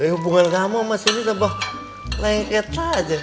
hubungan kamu sama sini lebih lengket aja